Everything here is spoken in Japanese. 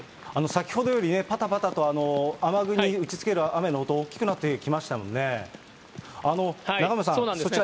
先ほどよりね、ぱたぱたと、雨具に打ちつける雨の音、大きくなってきましたもんね。